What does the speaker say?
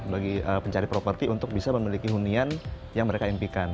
bagi pencari properti untuk bisa memiliki hunian yang mereka impikan